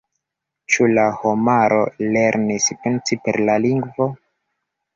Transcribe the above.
Ĉu la homaro lernis pensi per la lingvo?